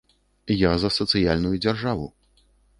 Я за сацыяльную дзяржаву.